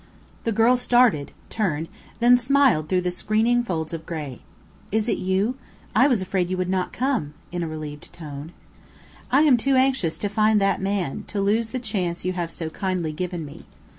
The girl started, turned, then smiled through the screening folds of gray. "It is you? I was afraid you would not come," in a relieved tone. "I am too anxious to find that man, to lose the chance you have so kindly given me.